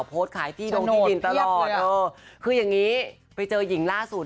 โพสต์ขายที่ดงที่ดินตลอดเออคืออย่างงี้ไปเจอหญิงล่าสุด